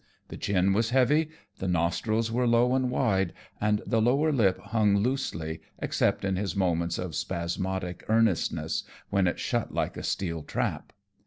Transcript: The chin was heavy, the nostrils were low and wide, and the lower lip hung loosely except in his moments of spasmodic earnestness, when it shut like a steel trap.